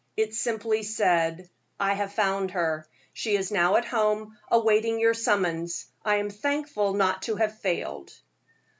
It simply said: "I have found her. She is now at home, awaiting your summons. I am thankful not to have failed."